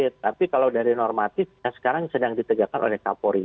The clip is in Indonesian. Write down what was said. tapi kalau dari normatif yang sekarang sedang ditegakkan oleh kapolri